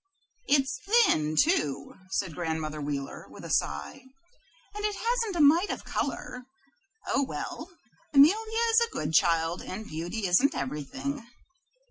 "It's thin, too," said Grandmother Wheeler, with a sigh, "and it hasn't a mite of color. Oh, well, Amelia is a good child, and beauty isn't everything."